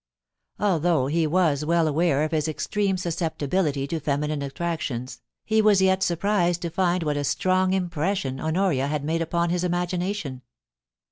Although he was well aware of his extreme susceptibility to feminine attractions, he was yet surprised to find what a strong im pression Honoria had made upon his imagination.